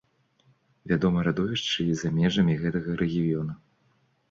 Вядомы радовішчы і за межамі гэтага рэгіёну.